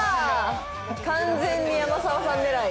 完全に山澤さん狙い。